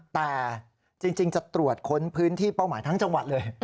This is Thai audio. แต่จริงจะตรวจค้นพื้นที่เป้าหมายทั้งจังหวัดเลย